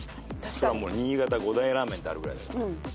新潟５大ラーメンってあるぐらいだから。